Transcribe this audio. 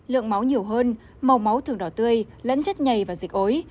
lượng máu nhiều hơn màu máu thường đỏ tươi lẫn chất nhầy và dịch ối